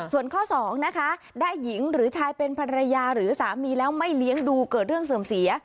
ส่วนข้อสองนะคะได้หญิงหรือชายเป็นภรรยาหรือสามีแล้วไม่เลี้ยงดูเกิดเรื่องเสื่อมเสีย